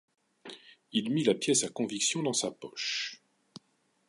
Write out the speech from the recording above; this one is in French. Il mit la pièce à conviction dans sa poche.